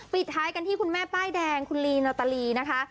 ปิดท้ายกันที่คุณแม่ป้ายแดงคุณลีนาตาลีนะคะ